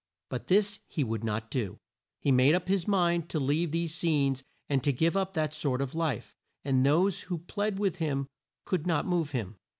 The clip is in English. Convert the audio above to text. But this he would not do. He had made up his mind to leave these scenes and to give up that sort of life, and those who plead with him could not move him.